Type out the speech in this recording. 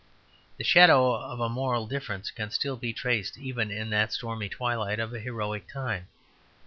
The shadow of a moral difference can still be traced even in that stormy twilight of a heroic time.